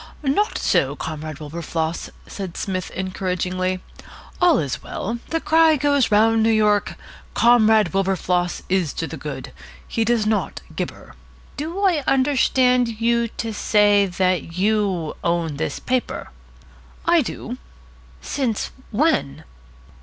"Not so, Comrade Wilberfloss," said Psmith encouragingly. "All is well. The cry goes round New York, 'Comrade Wilberfloss is to the good. He does not gibber.'" "Do I understand you to say that you own this paper?" "I do." "Since when?"